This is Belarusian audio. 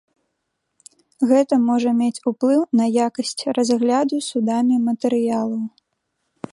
Гэта можа мець уплыў на якасць разгляду судамі матэрыялаў.